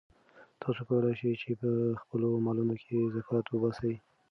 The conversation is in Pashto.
تاسو کولای شئ چې په خپلو مالونو کې زکات وباسئ.